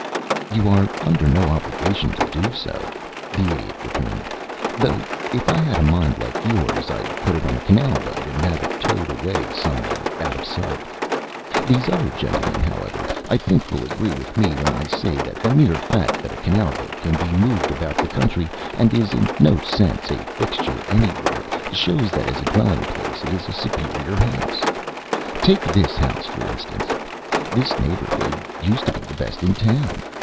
"You are under no obligation to do so," the Idiot returned. "Though if I had a mind like yours I'd put it on a canal boat and have it towed away somewhere out of sight. These other gentlemen, however, I think, will agree with me when I say that the mere fact that a canal boat can be moved about the country, and is in no sense a fixture anywhere, shows that as a dwelling place it is superior to a house. Take this house, for instance. This neighborhood used to be the best in town.